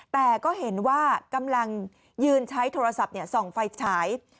แต่ก็เห็นว่ากำลังยืนใช้โทรศัพท์ส่องไฟฉาย